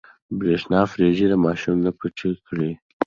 برېښنا پريزې د ماشوم نه پټې کړئ.